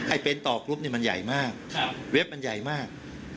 ไอเป็นต่อกรุ๊ปนี่มันใหญ่มากเว็บมันใหญ่มาก